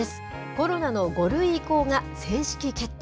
コロナの５類移行が正式決定。